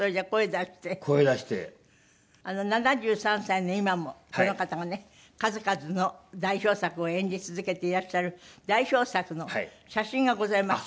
７３歳の今もこの方がね数々の代表作を演じ続けていらっしゃる代表作の写真がございます。